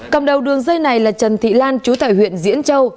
cầm đầu đường dây này là trần thị lan chú tài huyện diễn châu